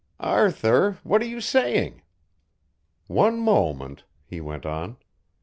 "Arthur, what are you saying?" "One moment," he went on.